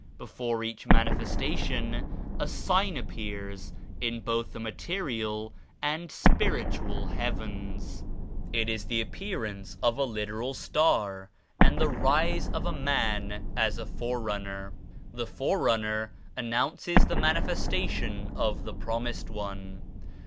"Before each Manifestation a sign appears in both the material and spiritual heavens. It is the appearance of a literal star and the rise of a man as a Forerunner. The Forerunner an nounces the Manifestation of the Promised One.